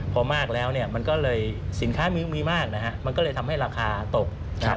พอมากแล้วเนี่ยมันก็เลยสินค้ามีมากนะฮะมันก็เลยทำให้ราคาตกนะครับ